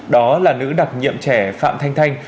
đó là nữ đặc nhiệm trẻ phạm thanh thanh